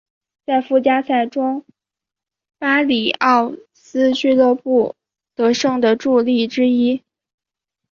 在附加赛中巴里奥斯俱乐部得胜的助力之一。